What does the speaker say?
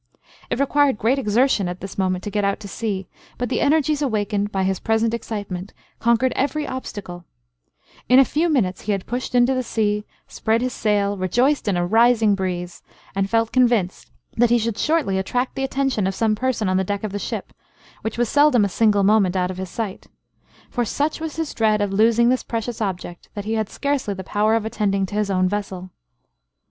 It required great exertion at this moment to get out to sea, but the energies awakened by his present excitement conquered every obstacle; in a few minutes he had pushed into the sea, spread his sail, rejoiced in a rising breeze, and felt convinced that he should shortly attract the attention of some person on the deck of the ship, which was seldom a single moment out of his sight; for such was his dread of losing this precious object, that he had scarcely the power of attending to his own vessel.